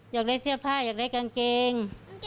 อยากได้เสื้อผ้าอยากได้กางเกง